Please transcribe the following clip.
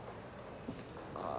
ああ。